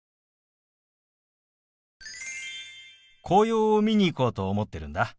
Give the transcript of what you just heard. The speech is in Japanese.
紅葉を見に行こうと思ってるんだ。